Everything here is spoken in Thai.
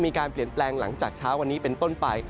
มีการเปลี่ยนแปลงหลังจากเช้าวันนี้เป็นต้นไป